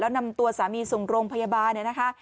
แล้วนำตัวสามีส่งโรงพยาบาลเนี่ยนะคะ